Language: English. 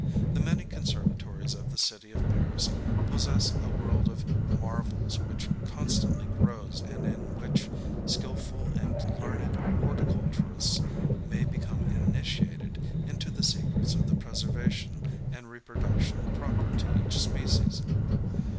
The many conservatories of the city of Paris possess a world of mar vels which constantly grows and in which skillful and learned horticulturists may become initiated into the secrets of the preservation and reproduction proper to each species.